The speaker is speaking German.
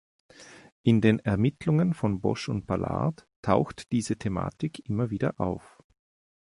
In den Ermittlungen von Bosch und Ballard taucht diese Thematik immer wieder auf.